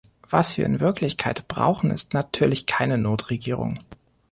Was wir in Wirklichkeit brauchen, ist natürlich keine Notregierung.